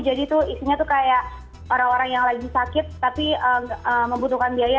jadi itu isinya tuh kayak orang orang yang lagi sakit tapi membutuhkan biaya